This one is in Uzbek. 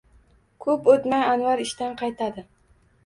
Ko’p o’tmay Anvar ishdan qaytadi.